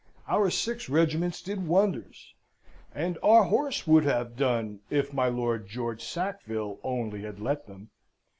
Our six regiments did wonders; and our horse would have done if my Lord George Sackville only had let them.